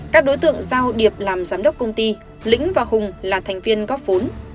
các đối tượng giao điệp làm giám đốc công ty lĩnh và hùng là thành viên góp vốn